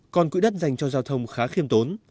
còn quỹ đất dành cho giao thông khá khiêm tốn